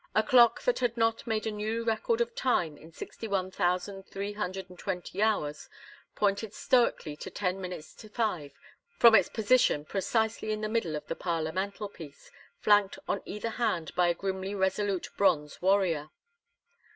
A clock that had not made a new record of time in sixty one thousand three hundred and twenty hours, pointed stoically to ten minutes to five from its position precisely in the middle of the parlor mantelpiece, flanked on either hand by a grimly resolute bronze warrior.